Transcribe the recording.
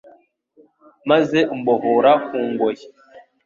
maze umbohora ku ngoyi